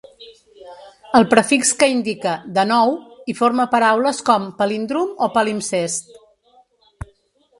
El prefix que indica “de nou” i forma paraules com palíndrom o palimpsest.